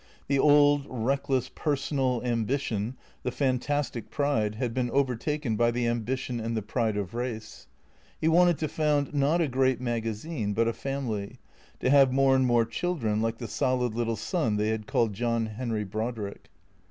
The old, reckless, personal ambition, the fantastic pride, had been overtaken by the ambition and the pride of race. He wanted to found, not a great magazine, but a family, to have more and more children like the solid little son they had called John Henry Brodrick.